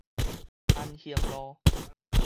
安興路